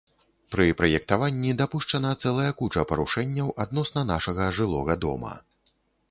Пры праектаванні дапушчана цэлая куча парушэнняў адносна нашага жылога дома!